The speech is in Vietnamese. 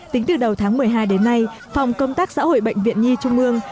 tính từ đầu tháng một mươi hai đến nay phòng công tác xã hội bệnh viện nhi trung ương